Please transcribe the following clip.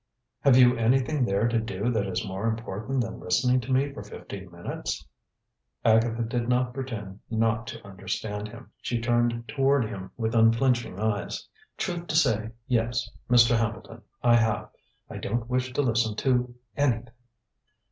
"Have you anything there to do that is more important than listening to me for fifteen minutes?" Agatha did not pretend not to understand him. She turned toward him with unflinching eyes. "Truth to say, yes, Mr. Hambleton, I have. I don't wish to listen to anything."